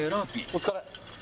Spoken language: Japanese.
お疲れ。